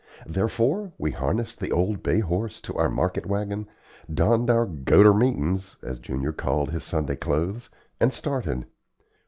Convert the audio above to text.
Therefore we harnessed the old bay horse to our market wagon, donned our "go ter meetin's," as Junior called his Sunday clothes, and started.